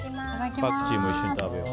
パクチーも一緒に食べよう。